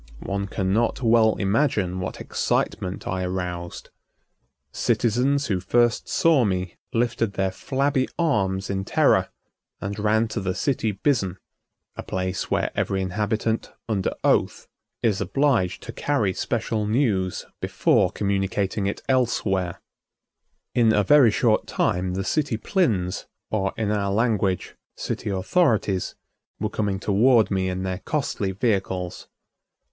One cannot well imagine what excitement I aroused. Citizens who first saw me lifted their flabby arms in terror and ran to the city Bizen, a place where every inhabitant, under oath, is obliged to carry special news before communicating it elsewhere. [Illustration: Visiting a City on the Moon.] In a very short time the city Plins, or in our language, city authorities, were coming toward me in their costly vehicles.